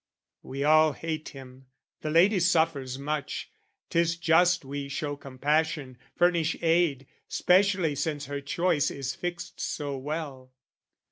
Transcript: "We all hate him, the lady suffers much, "'Tis just we show compassion, furnish aid, "Specially since her choice is fixed so well.